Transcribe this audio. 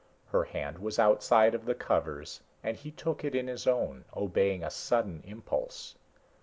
Her hand was outside of the covers and he took it in his own, obeying a sudden impulse.